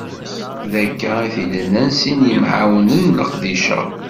D akka i t-id-nnan sin n yimɛawnen n leqdic-a.